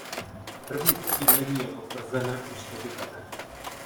První osídlení je potvrzené už z doby kamenné.